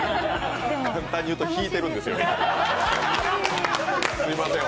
簡単に言うと、ひいてるんですね？